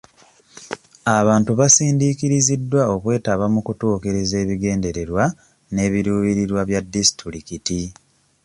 Abantu basindiikiriziddwa okwetaba mu kutuukiriza ebigendererwa n'ebiruubirirwa bya disitulikiti.